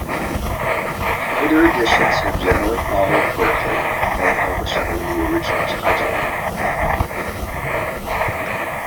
Later editions have generally followed Berkley and published under the original title.